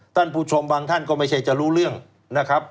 ท่านผู้ชมบางท่านก็ไม่ใช่จะรู้เรื่องนะครับ